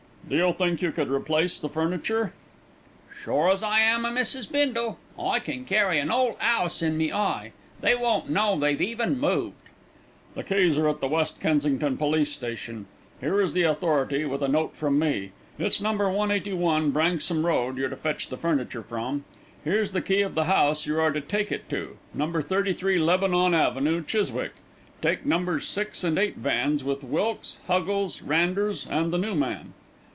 "Do you think you could replace the furniture?" "Sure as I am o' Mrs. Bindle. I can carry an 'ole 'ouse in me eye; they won't know they've even moved." "The keys are at the West Kensington Police Station. Here is the authority, with a note from me. It's No. 181 Branksome Road you're to fetch the furniture from. Here's the key of the house you are to take it to No. 33 Lebanon Avenue, Chiswick. Take Nos. 6 and 8 vans, with Wilkes, Huggles, Randers, and the new man."